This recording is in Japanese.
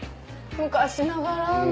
昔ながらの。